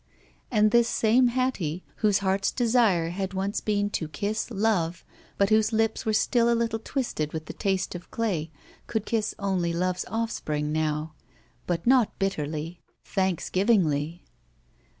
And this same Hattie, whose heart's desire had once been to kiss Love, but whose lips were still a little twisted with the taste of day, could kiss only Love's offq>ring now. But not bitterly. Thanksgivingly.